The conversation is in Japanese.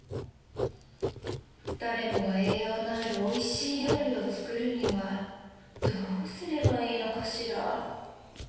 誰もが栄養のあるおいしい料理を作るには、どうすればいいのかしら。